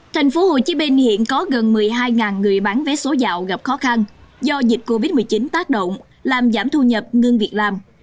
tp hcm hiện có gần một mươi hai người bán vé số dạo gặp khó khăn do dịch covid một mươi chín tác động làm giảm thu nhập ngưng việc làm